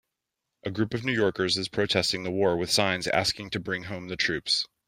A group of New Yorkers is protesting the war with signs asking to bring home the troops.